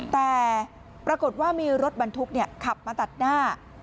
แต่ปรากฏว่ามีรถบรรทุกขับมาตัดหน้า